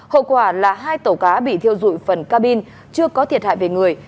hậu quả là hai tàu cá bị thiêu dụi phần cabin chưa có thiệt hại về người